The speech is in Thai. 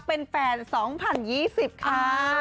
เป็นแฟน๒๐๒๐ค่ะ